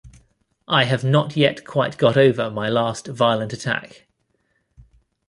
I have not yet quite got over my last violent attack.